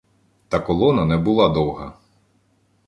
Та колона не була довга.